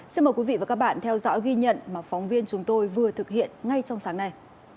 xin mời quý vị và các bạn theo dõi ghi nhận mà phóng viên chúng tôi vừa thực hiện ngay trong sáng nay